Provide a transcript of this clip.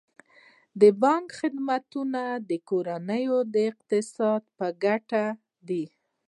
د بانک خدمتونه د کورنیو د اقتصاد په ګټه دي.